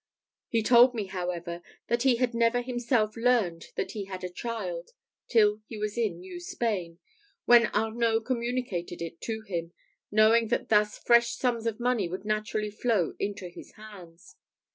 He told me, however, that he had never himself learned that he had a child, till he was in New Spain, when Arnault communicated it to him, knowing that thus fresh sums of money would naturally flow into his hands.